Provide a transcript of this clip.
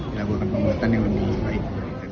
melakukan pembuatan yang lebih baik